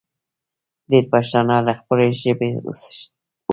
ډېر پښتانه له خپلې ژبې اوښتې دي